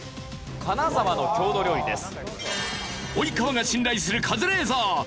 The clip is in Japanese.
金沢の郷土料理です。